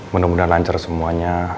mudah mudahan lancar semuanya